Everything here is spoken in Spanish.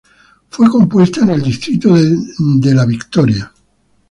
Fue compuesta en el distrito de distrito de La Victoria.